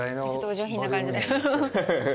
お上品な感じで。